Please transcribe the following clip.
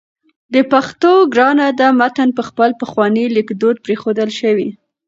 د پښتو ګرانه ده متن په خپل پخواني لیکدود پرېښودل شوی